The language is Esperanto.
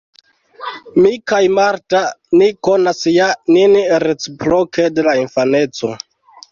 Mi kaj Marta ni konas ja nin reciproke de la infaneco.